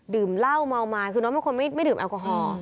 ดื่มเหล้าเมามาคือน้องเป็นคนไม่ดื่มแอลกอฮอล์